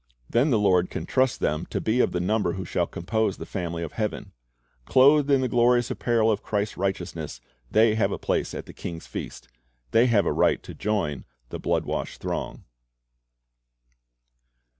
Then the Lord can trust them to be of the number who shall compose the family of heaven. Clothed in the glorious apparel of Christ's righteousness, they have a place at the King's feast. They have a right to join the blood washed throng.